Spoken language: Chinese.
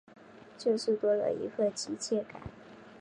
就是多了一分亲切感